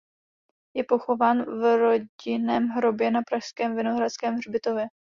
Je pochován v rodinném hrobě na pražském Vinohradském hřbitově.